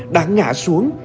đã ngã xuống